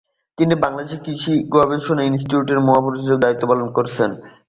তিনি বাংলাদেশ কৃষি গবেষণা ইনস্টিটিউটের মহাপরিচালক হিসেবে দায়িত্ব পালন করেছেন।